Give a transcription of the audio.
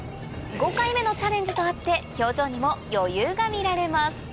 ５回目のチャレンジとあって表情にも余裕が見られます